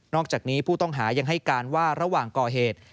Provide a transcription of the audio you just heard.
อกจากนี้ผู้ต้องหายังให้การว่าระหว่างก่อเหตุ